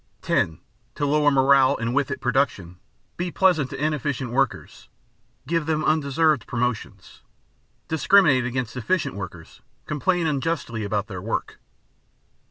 (10) To lower morale and with it, production, be pleasant to inefficient workers; give them undeserved promotions. Discriminate against efficient workers; complain unjustly about their work.